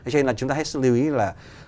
cho nên là chúng ta hãy lưu ý là